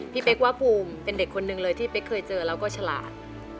เป๊กว่าภูมิเป็นเด็กคนหนึ่งเลยที่เป๊กเคยเจอแล้วก็ฉลาด